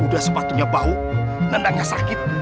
udah sepatunya bau nendangnya sakit